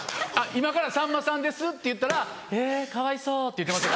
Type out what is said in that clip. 「今からさんまさんです」って言ったら「えっかわいそう」って言ってました。